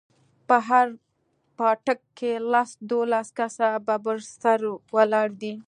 په هر پاټک کښې لس دولس کسه ببر سري ولاړ دي.